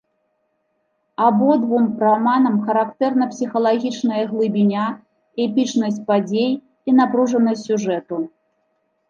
Абодвум раманам характэрна псіхалагічная глыбіня, эпічнасць падзей, і напружанасць сюжэту.